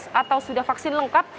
dua dosis atau sudah vaksin lengkap